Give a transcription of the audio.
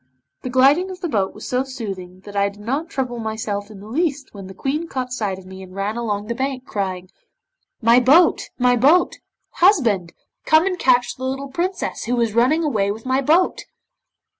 The gliding of the boat was so soothing that I did not trouble myself in the least when the Queen caught sight of me and ran along the bank, crying '"My boat, my boat! Husband, come and catch the little Princess who is running away with my boat!"